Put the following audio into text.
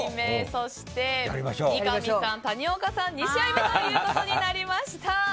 そして三上さん、谷岡さんが２試合目となりました。